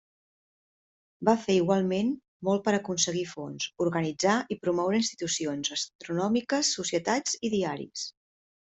Va fer igualment molt per aconseguir fons, organitzar i promoure institucions astronòmiques, societats i diaris.